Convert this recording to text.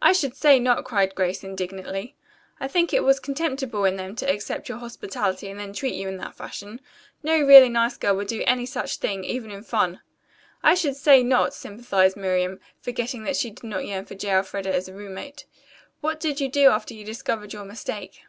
"I should say not," cried Grace indignantly. "I think it was contemptible in them to accept your hospitality and then treat you in that fashion. No really nice girl would do any such thing, even in fun." "I should say not," sympathized Miriam, forgetting that she did not yearn for J. Elfreda as a roommate. "What did you do after you discovered your mistake?"